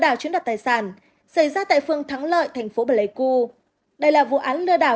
đảo chiếm đặt tài sản xảy ra tại phường thắng lợi thành phố bờ lê cu đây là vụ án lừa đảo